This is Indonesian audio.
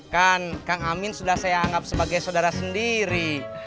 kan kang amin sudah saya anggap sebagai saudara sendiri